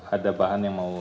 ada bahan yang mau